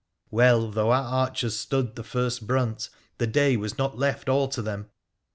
Well, though our archers stood the first brunt, the day was not left all to them.